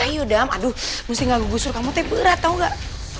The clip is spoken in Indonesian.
ayo dam aduh mesti nggak gue busur kamu teh berat tahu nggak